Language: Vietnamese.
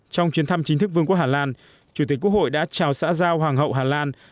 trong chuyến thăm chính thức vương quốc hà lan chủ tịch quốc hội đã chào xã giao hoàng hậu hà lan